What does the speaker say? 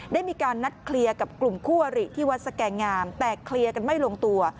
ได้มีการนัดเคลียร์กับกลุ่มคู่อริที่วัดสแก่งามแต่เคลียร์กันไม่ลงตัว